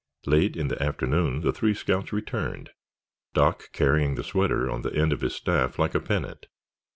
Late in the afternoon the three scouts returned, Doc carrying the sweater on the end of his staff like a pennant.